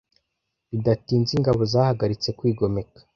Bidatinze ingabo zahagaritse kwigomeka.